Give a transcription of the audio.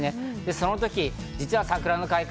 その時、実は桜の開花